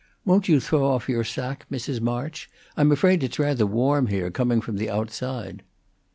Won't you throw off your sacque, Mrs. March? I'm afraid it's rather warm here, coming from the outside."